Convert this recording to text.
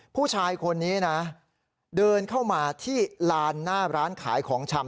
ผู้ชายคนนี้นะเดินเข้ามาที่ลานหน้าร้านขายของชำ